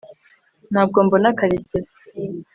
ntabwo mbona karekezi